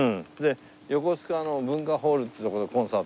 横須賀の文化ホールってとこでコンサートやって。